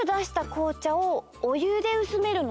こうちゃをおゆでうすめるの？